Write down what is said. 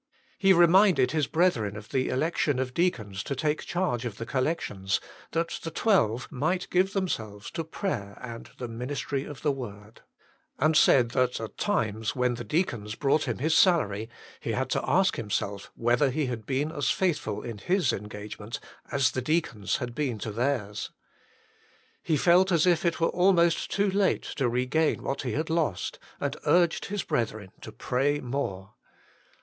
He reminded his brethren of the election of deacons to take charge of the collections, that the twelve might " give themselves to prayer and the ministry of the word," and said that at times, when the deacons brought him his salary, he had to ask himself whether he had been as faithful in his 12 THE MINISTRY OF INTERCESSION engagement as the deacons had been to theirs. He felt as if it were almost too late to regain what he had lost, and urged his brethren to pray more.